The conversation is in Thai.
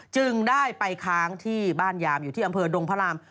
จึงได้ไปค้างที่บ้านยามอยู่ที่อำเภอดงพระราม